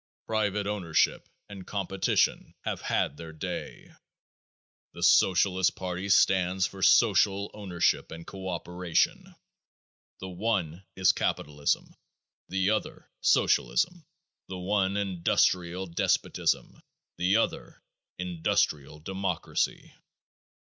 Private ownership and competition have had their day. The Socialist party stands for social ownership and co operation. The one is Capitalism; the other Socialism. The one industrial despotism, the other industrial democracy.